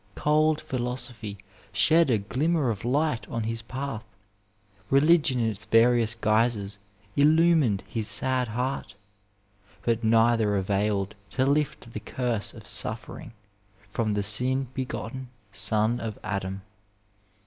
Cold philosophy shed a glimmer of light on his path, religion in its various guises illumined his sad heart, but neither availed to lift the curse of suffering from the sin begotten son of Adam.